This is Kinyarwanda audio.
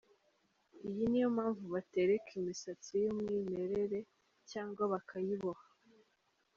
Iyi ni yo mpamvu batereka imisatsi y’umwimerere cyangwa bakayiboha.